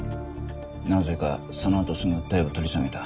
なぜかそのあとすぐ訴えを取り下げた。